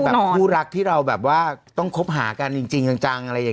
คู่รักที่เราแบบว่าต้องคบหากันจริงจังอะไรอย่างนี้